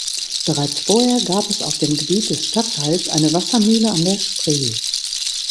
Bereits vorher gab es auf dem Gebiet des Stadtteils eine Wassermühle an der Spree.